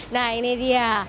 nah ini dia